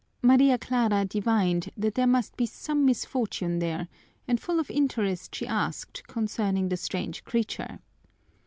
Maria Clara divined that there must be some misfortune there, and full of interest she asked concerning the strange creature.